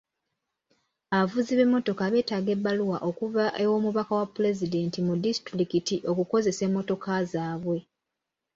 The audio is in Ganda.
Abavuzi b'emmotoka beetaaga ebbaluwa okuva ew'omubaka wa pulezidenti mu disitulikiti okukozesa emmotoka zaabwe.